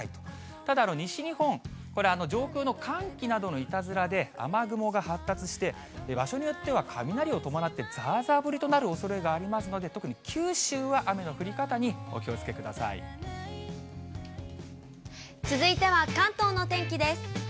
ただ西日本、これ、上空の寒気などのいたずらで、雨雲が発達して、場所によっては雷を伴って、ざーざー降りとなるおそれがありますので、特に九州は雨の降り方続いては関東の天気です。